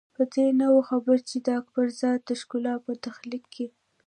په دې نه وو خبر چې د اکبر ذات د ښکلا په تخلیق کې.